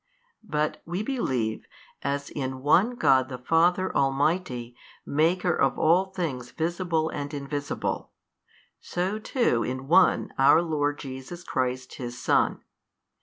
But we believe, as in One God the Father Almighty, Maker of all things visible and invisible, so too in One our Lord Jesus Christ His Son.